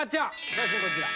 写真こちら。